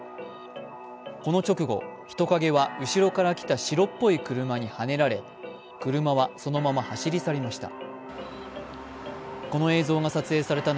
この直後、人影は後ろから来た白っぽい車にはねられ車はそのまま走り去りました。